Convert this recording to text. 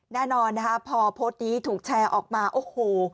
แน่นอนนะคะพอโพสต์นี้ถูกแชร์ออกมาโอ้โห